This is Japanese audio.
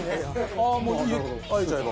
ああもう和えちゃえば？